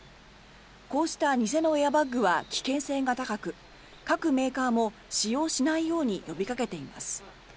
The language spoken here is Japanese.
こうした偽のエアバッグは危険性が高く各メーカーも使用しないように呼びかけています。